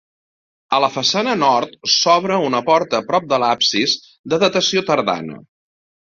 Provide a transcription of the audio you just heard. A la façana nord s'obre una porta prop de l'absis, de datació tardana.